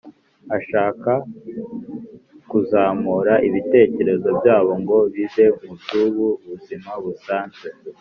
, ashaka kuzamura ibitekerezo byabo ngo bive mu by’ubu buzima busanzwe,